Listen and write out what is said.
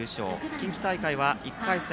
近畿大会は１回戦